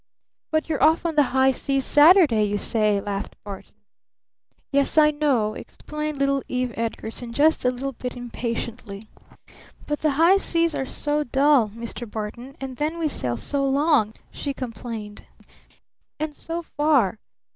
"But you're off on the high seas Saturday, you say," laughed Barton. "Yes, I know," explained little Eve Edgarton just a bit impatiently. "But the high seas are so dull, Mr. Barton. And then we sail so long!" she complained. "And so far!